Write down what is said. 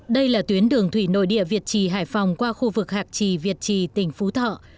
đây là tuyến đường thủy nội địa việt trì hải phòng qua khu vực hạc trì việt trì tỉnh phú thọ